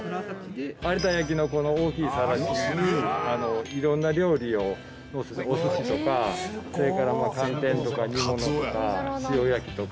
有田焼の大きい皿に色んな料理をのせてお寿司とかそれから寒天とか煮物とか塩焼きとか。